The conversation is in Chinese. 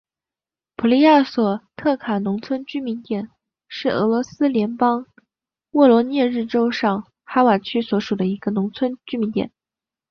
普利亚索瓦特卡农村居民点是俄罗斯联邦沃罗涅日州上哈瓦区所属的一个农村居民点。